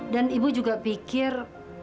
dan ibu juga pikir